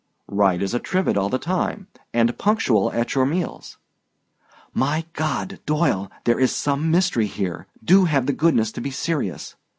"Right as a trivet all the time, and punctual at your meals." "My God! Doyle, there is some mystery here; do have the goodness to be serious.